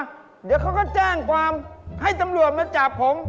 เดี๋ยวเขาก็แจ้งความให้ตำรวจมาจับผม